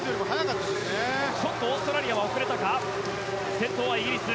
先頭はイギリス。